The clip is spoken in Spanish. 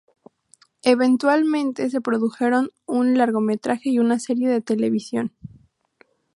Eventualmente se produjeron un largometraje y una serie de televisión.